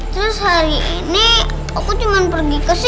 terus hari ini aku cuma pergi ke sini